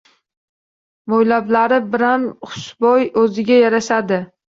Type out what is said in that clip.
Mo‘ylablari biram xushro‘y, o’ziga yarashadi.